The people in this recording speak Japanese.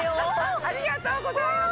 ありがとうございます！